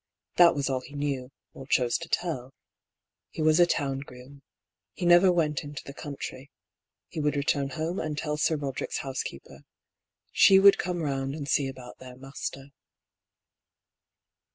That was all he knew (or chose to tell). He was a town groom. He never went into the country. He would return home and tell Sir Roderick's housekeeper. She would come round and see about their master.